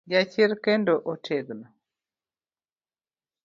Jachir, kendo otegno.